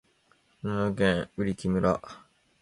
長野県売木村